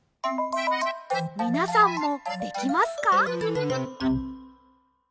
みなさんもできますか？